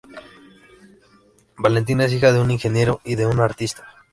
Valentina es hija de un ingeniero y de una artista.